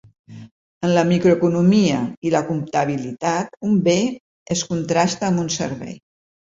En la microeconomia i la comptabilitat un bé es contrasta amb un servei.